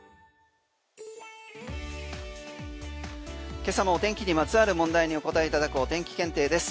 今朝もお天気にまつわる問題にお答えいただくお天気検定です。